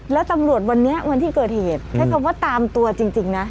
แล้วตำรวจวันนี้วันที่เกิดเหตุใช้คำว่าตามตัวจริงนะ